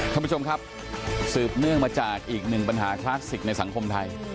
ท่านผู้ชมครับสืบเนื่องมาจากอีกหนึ่งปัญหาคลาสสิกในสังคมไทย